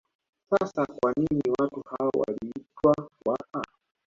Sasa kwa nini watu hao waliitwa Waha